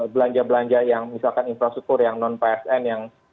belanja belanja yang misalkan infrastruktur yang non psn yang